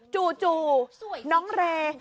จู่น้องเร